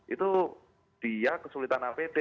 itu dia kesulitan apd